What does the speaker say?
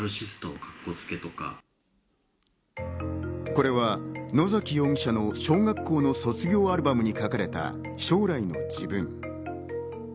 これは野崎容疑者の小学校の卒業アルバムに書かれた、「将来の自分」。